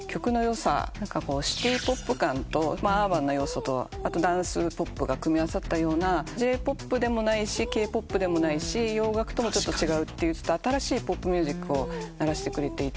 シティポップ感とアーバンの要素とダンスポップが組み合わさったようなＪ−ＰＯＰでもないしＫ−ＰＯＰでもないし洋楽ともちょっと違うといった新しいポップミュージックを流してくれていて。